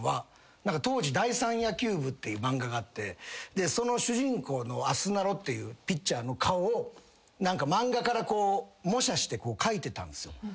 当時『第三野球部』っていう漫画があってその主人公のあすなろっていうピッチャーの顔を漫画から模写してこう描いてたんですよ。